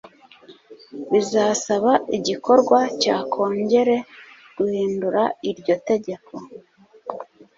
Bizasaba igikorwa cya Kongere guhindura iryo tegeko